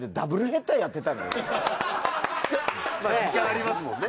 時間ありますもんね。